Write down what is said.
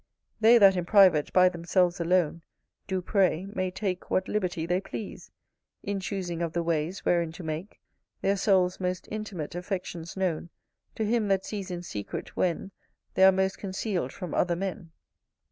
They that in private, by themselves alone, Do pray, may take What liberty they please, In chusing of the ways Wherein to make Their soul's most intimate affections known To him that sees in secret, when Th' are most conceal'd from other men.